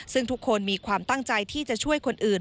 ซึ่งทุกคนมีความตั้งใจที่จะช่วยคนอื่น